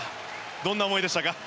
どんな思いでしたか？